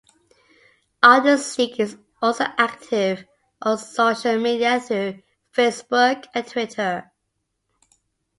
Art and Seek is also active on social media through Facebook and Twitter.